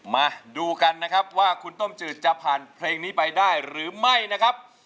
มาดูกันนะครับว่าคุณต้มจืดจะผ่านเพลงนี้ไปได้หรือไม่นะครับ